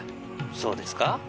そうですか？